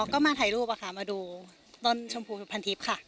อ๋อก็มาถ่ายรูปค่ะมาดูต้นชมพูพันธิปค่ะ